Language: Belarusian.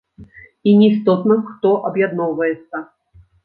І не істотна, хто аб'ядноўваецца.